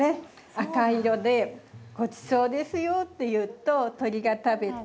赤い色で「ごちそうですよ」っていうと鳥が食べて。